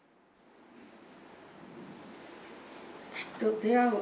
「きっと出会う」。